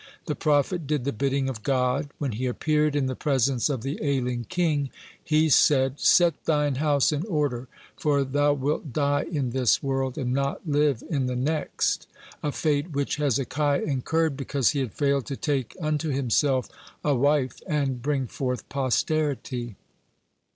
The prophet did the bidding of God. When he appeared in the presence of the ailing king, he said: "Set thine house in order, for thou wilt die in this world and not live in the next" a fate which Hezekiah incurred because he had failed to take unto himself a wife and bring forth posterity.